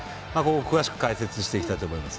詳しく解説していきたいと思います。